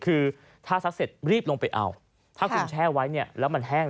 คือถ้าซักเสร็จรีบลงไปเอาถ้าคุณแช่ไว้เนี่ยแล้วมันแห้ง